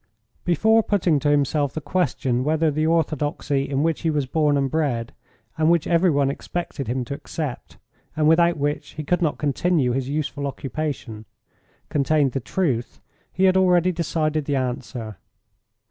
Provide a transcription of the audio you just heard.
Before putting to himself the question whether the orthodoxy in which he was born and bred, and which every one expected him to accept, and without which he could not continue his useful occupation, contained the truth, he had already decided the answer.